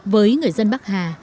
với người dân bắc hà